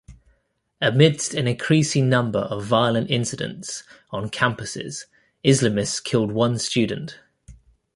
Amidst an increasing number of violent incidents on campuses, Islamists killed one student.